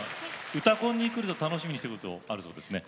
「うたコン」に来ると楽しみにしてることあるそうですね。